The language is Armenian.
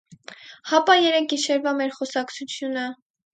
- Հապա երեկ գիշերվա մեր խոսակցությունը…